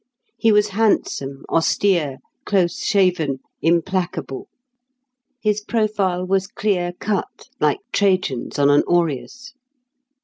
He was handsome, austere, close shaven, implacable. His profile was clear cut, like Trajan's on an aureus.